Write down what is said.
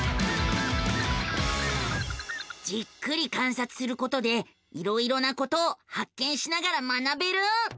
じっくり観察することでいろいろなことを発見しながら学べる。